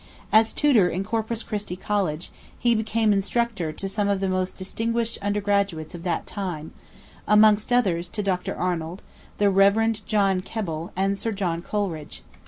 As Tutor in Corpus Christi College, he became instructor to some of the most distinguished undergraduates of that time: amongst others to Dr. Arnold, the Rev. John Keble, and Sir John Coleridge.